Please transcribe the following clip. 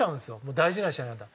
大事な試合になったら。